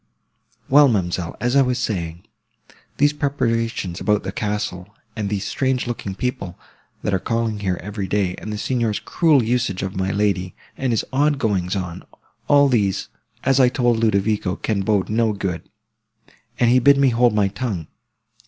"Well, ma'amselle, as I was saying, these preparations about the castle, and these strange looking people, that are calling here every day, and the Signor's cruel usage of my lady, and his odd goings on—all these, as I told Ludovico, can bode no good. And he bid me hold my tongue.